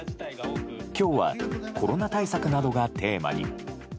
今日はコロナ対策などがテーマに。